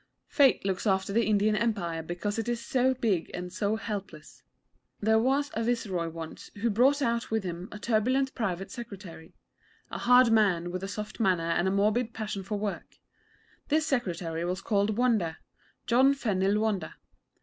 Fate looks after the Indian Empire because it is so big and so helpless. There was a Viceroy once who brought out with him a turbulent Private Secretary a hard man with a soft manner and a morbid passion for work. This Secretary was called Wonder John Fennil Wonder.